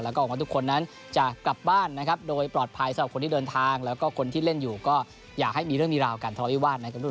แล้วก็บอกว่าทุกคนนั้นจะกลับบ้านนะครับโดยปลอดภัยสำหรับคนที่เดินทางแล้วก็คนที่เล่นอยู่ก็อยากให้มีเรื่องมีราวการทะเลาวิวาสนะครับ